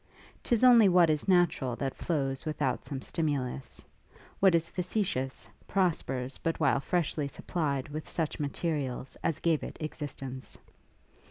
'Tis only what is natural that flows without some stimulus; what is factitious prospers but while freshly supplied with such materials as gave it existence.